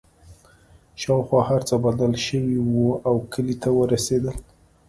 شاوخوا هرڅه بدل شوي وو او کلي ته ورسېدل